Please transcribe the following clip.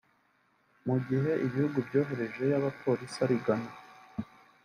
mu gihe ibihugu byoherejeyo abapolisi ari Ghana